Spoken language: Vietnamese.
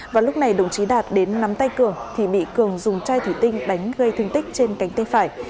và lúc này đồng chí đạt đến nắm tay cường thì bị cường dùng chai thủy tinh đánh gây thương tích trên cánh tay phải